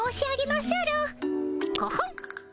コホン！